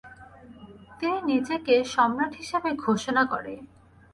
তিনি নিজেকে সম্রাট হিসেবে ঘোষণা করে।